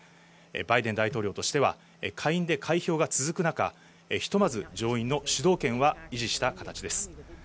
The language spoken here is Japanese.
バイデン大統領としては下院で開票が続く中、ひとまず上院の主導権は維持した形です。